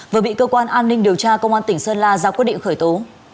vừa bị cơ quan an ninh điều tra công an tỉnh sơn la ra quyết định khởi tố